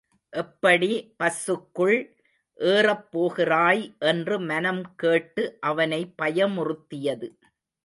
எப்படி பஸ்ஸுக்குள் ஏறப் போகிறாய் என்று மனம் கேட்டு அவனை பயமுறுத்தியது.